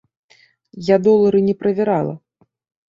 Я долары не правярала.